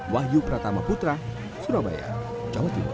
wahyu pratama putra surabaya jawa timur